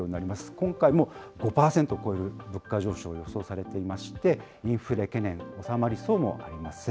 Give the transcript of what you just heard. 今回も５％を超える物価上昇が予想されていまして、インフレ懸念、収まりそうもありません。